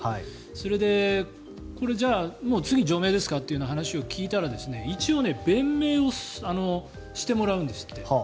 それで、これじゃあ次、除名ですかというような話を聞いたら、一応弁明をしてもらうんですって。